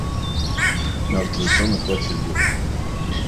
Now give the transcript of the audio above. Мертвый сон охватил его.